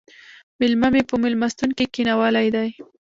مېلما مې په مېلمستون کې کښېناولی دی